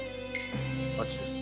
あっちです。